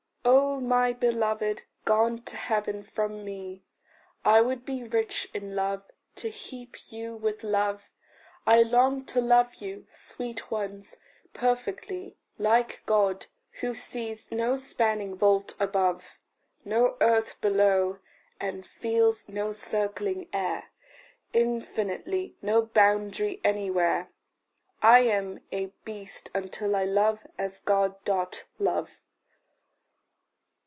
Oh my beloved, gone to heaven from me! I would be rich in love to heap you with love; I long to love you, sweet ones, perfectly Like God, who sees no spanning vault above, No earth below, and feels no circling air Infinitely, no boundary anywhere. I am a beast until I love as God doth love.